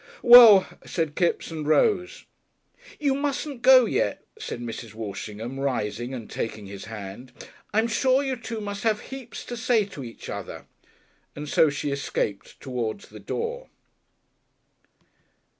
"Well," said Kipps, and rose. "You mustn't go yet," said Mrs. Walshingham, rising and taking his hand. "I'm sure you two must have heaps to say to each other," and so she escaped towards the door.